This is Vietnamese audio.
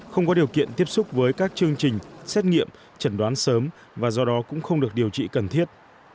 không có điều kiện tiếp xúc với các chương trình xét nghiệm chẩn đoán sớm và do đó cũng không được điều trị cần thiết